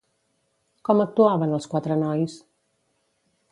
Com actuaven els quatre nois?